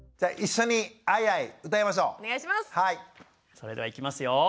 それではいきますよ。